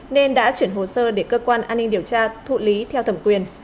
nên đã chuyển hồ sơ để cơ quan an ninh điều tra thụ lý theo thẩm quyền